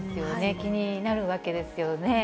気になるわけですよね。